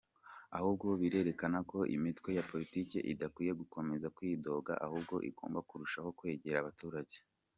Ahubwo birerekana ko imitwe ya Politike idakwiye gukomeza kwidoga ahubwo igomba kurushaho kwegera abaturage.